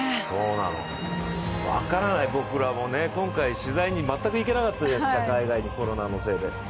分からない、僕らも取材に全く行けなかったじゃないですか、海外にコロナのせいで。